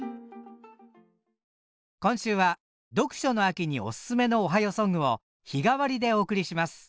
今週は読書の秋におすすめの「おはようソング」を日替わりでお送りします。